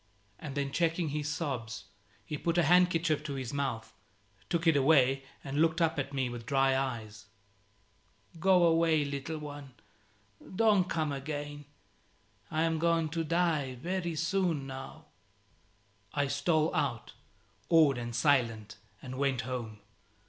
And then checking his sobs, he put a handkerchief to his mouth, took it away, and looked up at me with dry eyes. "Go away, little one, Don't come again: I am going to die very soon now." I stole out, awed and silent, and went home.